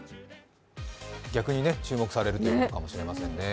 逆に注目されるということかもしれませんね。